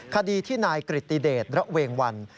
คดีที่นายกริติเดชระเวงวัน